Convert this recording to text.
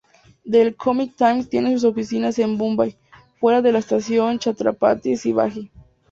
The Economic Times tiene sus oficinas en Bombay, fuera de la Estación Chhatrapati Shivaji.